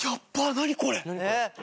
何⁉これ。